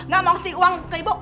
gak mau ngasih uang ke ibu